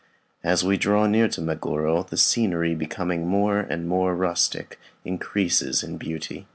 As we draw near to Meguro, the scenery, becoming more and more rustic, increases in beauty.